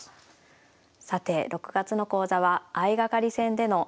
さて６月の講座は相掛かり戦での受けの名局。